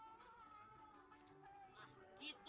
cepet bencana gitu